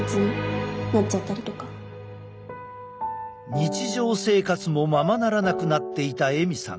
日常生活もままならなくなっていたエミさん。